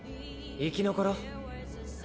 生き残ろう。